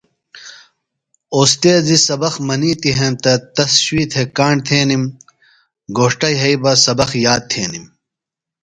اوستیذیۡ سبق منِیتی ہینتہ تس شوئی تھےۡ کاݨ تھینِم۔ گھوݜٹہ یھئی بہ سبق یاد تھینِم۔